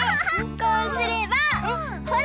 こうすればほら！